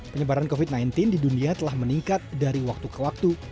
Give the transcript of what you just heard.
penyebaran covid sembilan belas di dunia telah meningkat dari waktu ke waktu